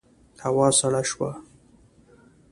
هوا سړه شوه.